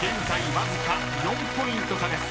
わずか４ポイント差です］